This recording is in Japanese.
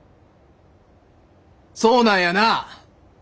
そうなんやな！